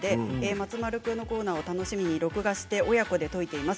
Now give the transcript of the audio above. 松丸君のコーナーを楽しみに録画して親子で解いています。